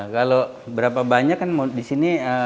kalau berapa banyak kan disini